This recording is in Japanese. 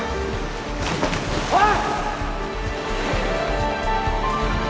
おい！